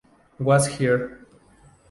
Was Here".